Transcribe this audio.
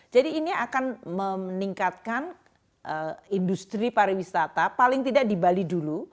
jadi ini akan meningkatkan industri pariwisata paling tidak di bali dulu